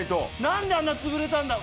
何であんなつぶれたんだ？